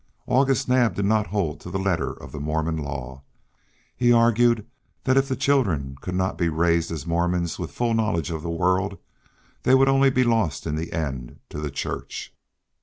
August Naab did not hold to the letter of the Mormon law; he argued that if the children could not be raised as Mormons with a full knowledge of the world, they would only be lost in the end to the Church.